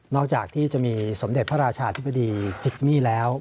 อกจากที่จะมีสมเด็จพระราชาธิบดีจิกมี่แล้ว